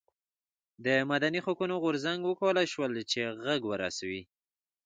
د مدني حقونو غورځنګ وکولای شول چې غږ ورسوي.